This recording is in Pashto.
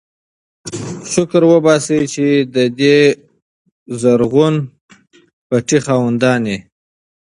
شکر وباسئ چې د دې زرغون پټي خاوندان یئ.